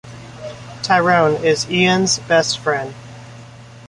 Tyrone is Ian's best friend.